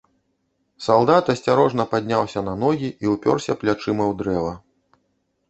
Салдат асцярожна падняўся на ногі і ўпёрся плячыма ў дрэва.